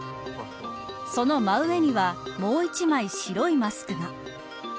その真￥上にはもう一枚白いマスクが。